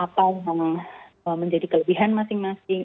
atau menjadi kelebihan masing masing